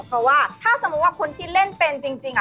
เพราะว่าถ้าสมมุติว่าคนที่เล่นเป็นจริง